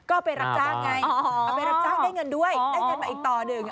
ก็ไปรับจ้างไงเอาไปรับจ้างได้เงินด้วยได้เงินมาอีกต่อหนึ่ง